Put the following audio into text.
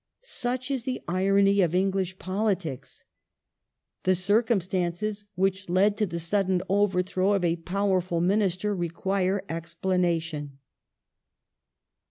Such is the irony of English politics. The circumstances which led to the sudden overthrow of a powerful Minister require explanation.